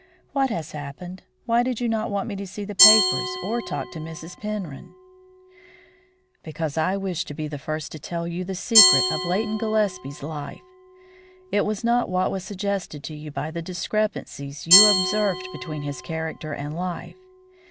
"What has happened? Why did you not want me to see the papers or talk with Mrs. Penrhyn?" "Because I wished to be the first to tell you the secret of Leighton Gillespie's life. It was not what was suggested to you by the discrepancies you observed between his character and life.